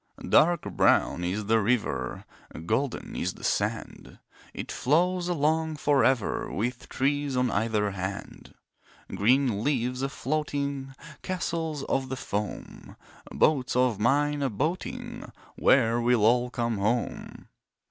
Dark brown is the river, Golden is the sand. It flows along for ever, With trees on either hand. Green leaves a floating, Castles of the foam, Boats of mine a boating— Where will all come home?